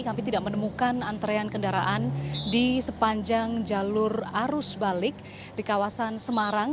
kami tidak menemukan antrean kendaraan di sepanjang jalur arus balik di kawasan semarang